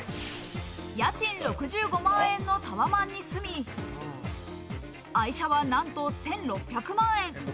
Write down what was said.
家賃６５万円のタワマンに住み、愛車はなんと１６００万円。